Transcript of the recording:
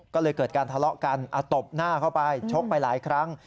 ก็เลยเกิดการทะเลาะกันตบหน้าเข้าไปชกไปหลายครั้ง